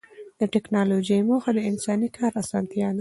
د ټکنالوجۍ موخه د انساني کار اسانتیا ده.